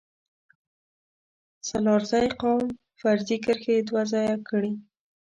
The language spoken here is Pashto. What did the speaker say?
سلارزی قوم فرضي کرښې دوه ځايه کړي